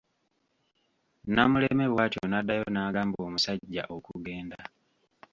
Namuleme bwatyo n'addayo n'agamba omusajja okugenda.